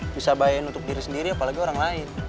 bisa bayar untuk diri sendiri apalagi orang lain